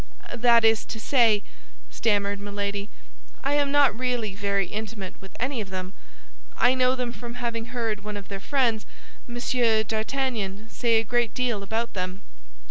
"That is to say," stammered Milady, "I am not really very intimate with any of them. I know them from having heard one of their friends, Monsieur d'Artagnan, say a great deal about them."